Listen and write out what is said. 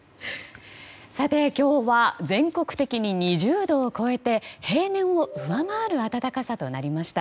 今日は全国的に２０度を超えて平年を上回る暖かさとなりました。